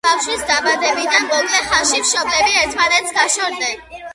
ბავშვის დაბადებიდან მოკლე ხანში მშობლები ერთმანეთს გაშორდნენ.